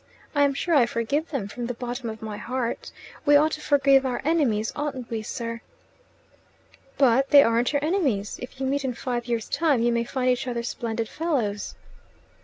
"I am sure I forgive them from the bottom of my heart. We ought to forgive our enemies, oughtn't we, sir?" "But they aren't your enemies. If you meet in five years' time you may find each other splendid fellows."